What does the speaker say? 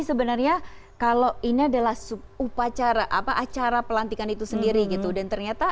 sebenarnya kalau ini adalah upacara apa acara pelantikan itu sendiri gitu dan ternyata